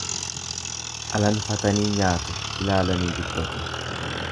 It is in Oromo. Alanfatanii nyaatu, ilaalanii dabbatu.